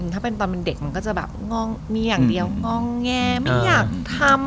ถ้าเป็นตอนเป็นเด็กมันก็จะแบบงองมีอย่างเดียวงองแงไม่อยากทำ